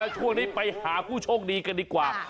ช่วงนี้ไปหาผู้โชคดีกันดีกว่า